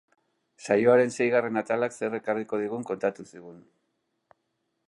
Saioaren seigarren atalak zer ekarriko digun kontatu zigun.